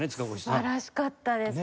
素晴らしかったです。